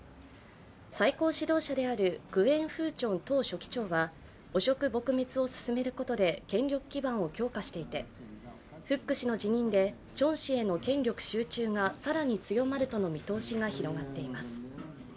最高指導者であるグエン・フー・チョン党書記長は汚職撲滅を進めることで権力基盤を強化していてフック氏の辞任でチョン氏への権力集中が更に強まるとの見通しが広がっています。